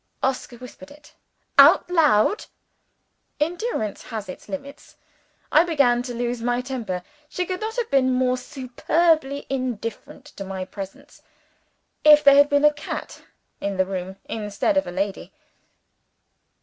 Oscar whispered it. "Out loud!" Endurance has its limits: I began to lose my temper. She could not have been more superbly indifferent to my presence, if there had been a cat in the room instead of a lady.